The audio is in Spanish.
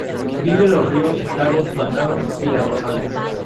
Vive en los ríos, lagos, pantanos y arrozales.